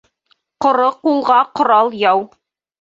Ҡоро ҡулға ҡорал яу.